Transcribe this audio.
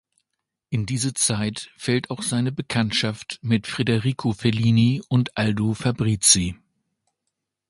In diese Zeit fällt auch seine Bekanntschaft mit Federico Fellini und Aldo Fabrizi.